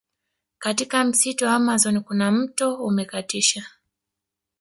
Katika msitu wa amazon kuna mto umekatisha